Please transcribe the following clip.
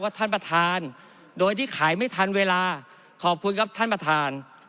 ท่านประธานโดยที่ขายไม่ทันเวลาขอบคุณครับท่านประธาน